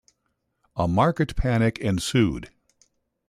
A market panic ensued.